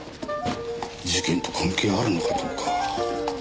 事件と関係あるのかどうか。